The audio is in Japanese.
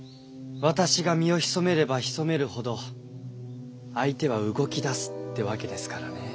私が身を潜めれば潜めるほど相手は動きだすってわけですからねえ。